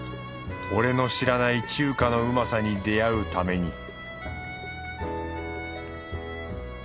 俺の知らない中華のうまさに出会うために